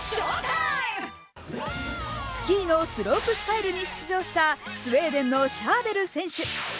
スキーのスロープスタイルに出場したスウェーデンのシャーデル選手。